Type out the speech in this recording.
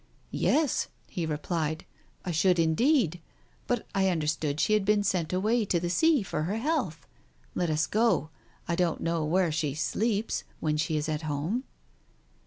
"Yes," he replied. "I should indeed. But I under stood she had been sent away to the sea for her health ? Let us go. ... I don't know where she sleeps, when she is at home.